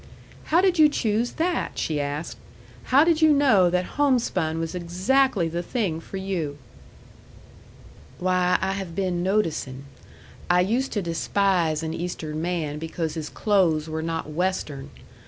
"How did you choose that?" she asked. "How did you know that homespun was exactly the thing for you?" "Why, I have been noticing. I used to despise an Eastern man because his clothes were not Western.